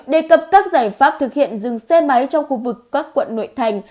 đề cập các giải pháp thực hiện dừng xe máy trong khu vực các quận nội thành